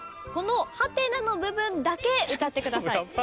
この「？」の部分だけ歌ってください。